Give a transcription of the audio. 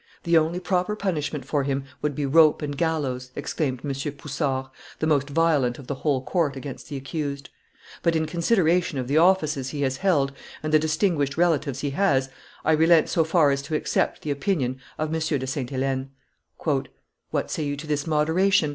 "The only proper punishment for him would be rope and gallows," exclaimed M. Pussort, the most violent of the whole court against the accused; "but, in consideration of the offices he has held, and the distinguished relatives he has, I relent so far as to accept the opinion of M. de Sainte Helene." "What say you to this moderation?"